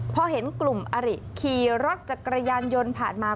พอเห็นกลุ่มอริขี่รถจักรยานยนต์ผ่านมา